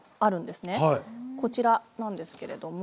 こちらなんですけれども。